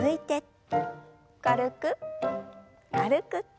軽く軽く。